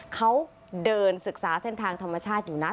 เขาเดินศึกษาเส้นทางธรรมชาติอยู่นะ